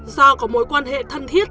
do có mối quan hệ thân thiết